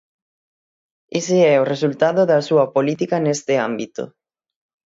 Ese é o resultado da súa política neste ámbito.